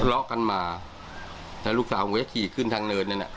เขารอกกันมาแล้วลูกสาวผมก็จะขี่ขึ้นทางเนินเนี่ยนะ